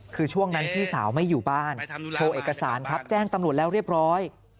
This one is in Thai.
คือช่วงนั้นพี่สาวไม่อยู่บ้านโชว์เอกสารครับแจ้งตำรวจแล้วเรียบร้อย